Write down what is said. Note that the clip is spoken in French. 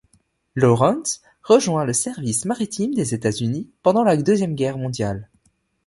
Lawrence rejoint le Service Maritime des États-Unis pendant la Deuxième Guerre mondiale.